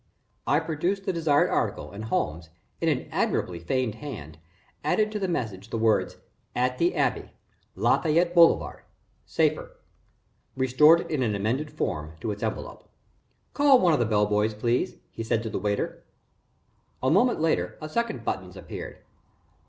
I produced the desired article and Holmes, in an admirably feigned hand, added to the message the words: "at the Abbey, Lafayette Boulevard. Safer," restored it in amended form to its envelope. "Call one of the bell boys, please," he said to the waiter. A moment later, a second buttons appeared.